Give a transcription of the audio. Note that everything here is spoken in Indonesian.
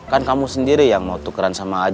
kan kamu sendiri yang mau tukeran sama aja